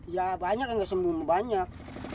ya banyak yang gak sembuh banyak